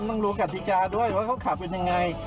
ต้องรู้กฎิกาด้วยว่าเขาขับเป็นยังไง